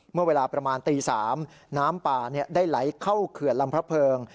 เมื่อเวลาประมาณตี๓น้ำป่าได้ไหลเข้าเขื่อนลำพระเพิง